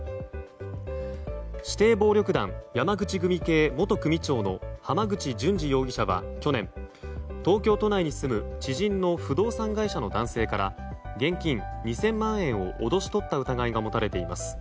指定暴力団山口組系元組長の浜口純二容疑者は去年東京都内に住む知人の不動産会社の男性から現金２０００万円を脅し取った疑いが持たれています。